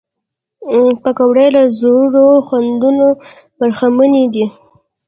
پکورې له زړو خوندونو برخمنې دي